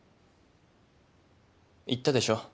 言ったでしょ？